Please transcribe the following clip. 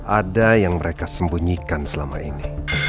ada yang mereka sembunyikan selama ini